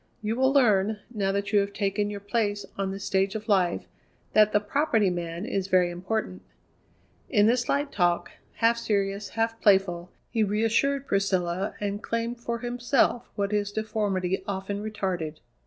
You will learn, now that you have taken your place on the stage of life, that the Property Man is very important." In this light talk, half serious, half playful, he reassured Priscilla and claimed for himself what his deformity often retarded.